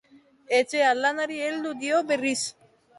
Etxek lanari heldu dio berriz.